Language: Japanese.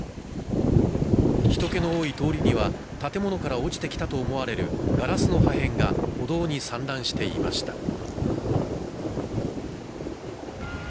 人気の多い通りには建物から落ちてきたと思われるガラスの破片が歩道に散乱していました。